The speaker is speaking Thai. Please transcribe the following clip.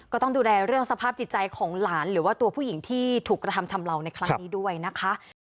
ก็ต้องดูแลเรื่องสภาพจิตใจของหลานหรือว่าตัวผู้หญิงที่ถูกกระทำชำเลาในครั้งนี้ด้วยนะคะ